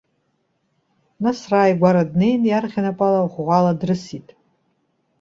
Нас, рааигәара днеин иарӷьа напала, ӷәӷәала дрысит.